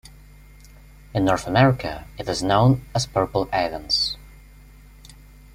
In North America, it is known as purple avens.